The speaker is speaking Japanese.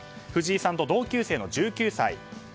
藤井さんと同級生の１９歳。